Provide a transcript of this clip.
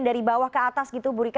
dari bawah ke atas gitu bu rika